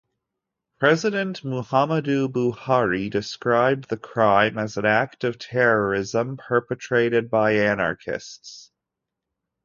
President Muhammadu Buhari described the crime as an act of terrorism perpetrated by anarchists.